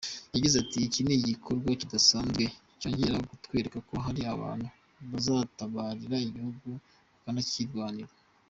Yagize ati “Iki ni igikorwa kidasanzwe cyongera kutwereka ko hari abantu bazatabarira igihugu bakanakirwanira.